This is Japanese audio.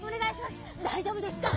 大丈夫ですか？